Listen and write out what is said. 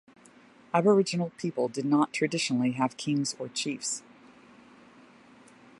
Aboriginal people did not traditionally have kings or chiefs.